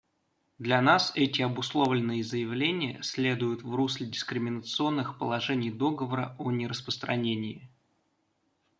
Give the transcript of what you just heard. Для нас эти обусловленные заявления следуют в русле дискриминационных положений Договора о нераспространении.